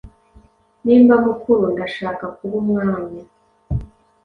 Nimba mukuru, ndashaka kuba umwami.